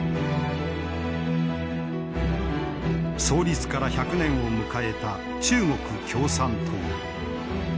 創立から１００年を迎えた中国共産党。